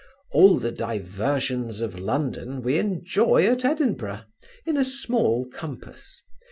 All the diversions of London we enjoy at Edinburgh, in a small compass.